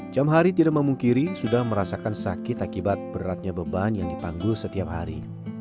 jam hari tidak memungkiri sudah merasakan sakit akibat beratnya beban yang dipanggul setiap hari